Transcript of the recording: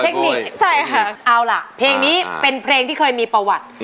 เอิ้าล่ะเพลงนี้เป็นเพลงที่เคยมีประวัติ